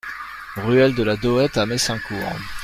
Ruelle de la Dohette à Messincourt